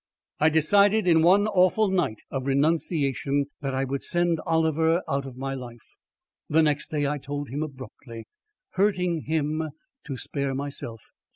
I decided in one awful night of renunciation that I would send Oliver out of my life. The next day I told him abruptly ... hurting him to spare myself